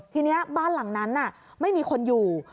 ทีนี้บ้านหลังนั้นไม่มีคนอยู่